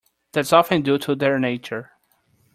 That's often due to their nature.